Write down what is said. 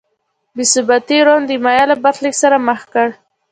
بې ثباتۍ روم د مایا له برخلیک سره مخ کړ.